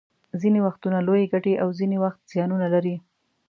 ځینې وختونه لویې ګټې او ځینې وخت زیانونه لري